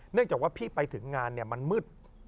เนื่องจากว่าพี่ไปถึงงานเนี่ยมันมืด